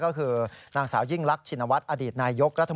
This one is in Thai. กรณีนี้ทางด้านของประธานกรกฎาได้ออกมาพูดแล้ว